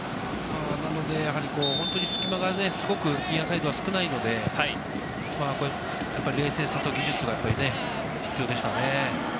隙間からすごくニアサイドは少ないので、冷静さと技術がね、必要でしたね。